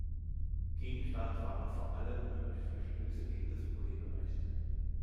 Gegenstand waren vor allem mögliche Verstöße gegen das Urheberrecht.